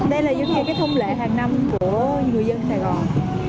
đây là những thông lệ hàng năm của người dân sài gòn